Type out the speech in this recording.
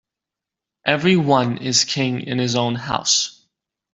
Every one is king in his own house.